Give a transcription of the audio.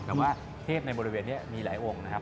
แต่ว่าเทพในบริเวณนี้มีหลายองค์นะครับ